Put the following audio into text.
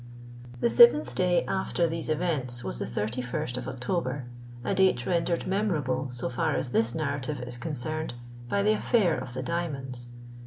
The seventh day after these events was the 31st of October—a date rendered memorable, so far as this narrative is concerned, by the affair of the diamonds.